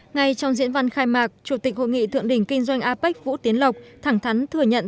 ngay trong diễn văn khai mạc chủ tịch hội nghị thượng đỉnh kinh doanh apec vũ tiến lộc thẳng thắn thừa nhận